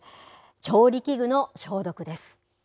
調理器具の消毒です。